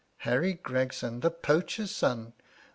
Harry Gregson the ' pofiwher's son